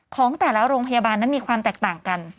ของแต่ละโรงพยาบาลนั้นมีความแตกต่างกัน